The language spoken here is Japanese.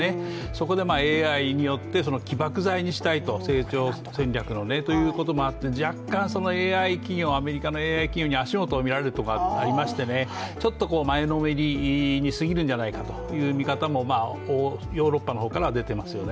そこでＡＩによって起爆剤にしたいと、成長戦略のということもあって若干、アメリカのＡＩ企業に足元を見られるところがありましてちょっと前のめりに過ぎるんじゃないかという見方も、ヨーロッパの方からは出ていますよね。